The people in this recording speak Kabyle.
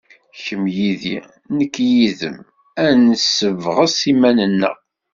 Kemm yid-i, nekk yid-m, ad nessebɣes iman-nneɣ.